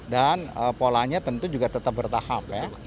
dan polanya tentu juga tetap bertahap ya